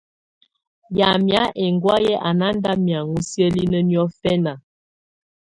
Yamɛ̀á ɛŋgɔ̀áyɛ̀ á nà nda miaŋgɔ siǝ́linǝ níɔ̀fɛna.